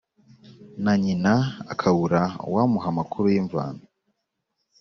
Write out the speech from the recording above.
na nyina, akabura uwamuha amakuru y'imvaho.